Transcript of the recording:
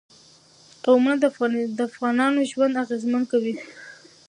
قومونه د افغانانو ژوند اغېزمن کوي.